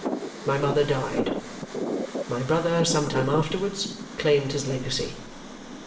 My mother died. My brother some time afterwards claimed his legacy.